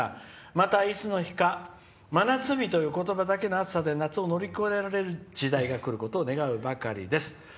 またいつの日にか真夏日という言葉だけの暑さで夏を乗り越えられる時代がくることを願うばかりです」。